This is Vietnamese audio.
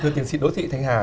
thưa tiến sĩ đỗ thị thanh hà